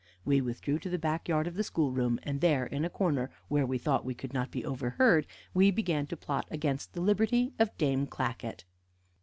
We withdrew to the backyard of the schoolroom, and there, in a corner where we thought we could not be overheard, we began to plot against the liberty of Dame Clackett.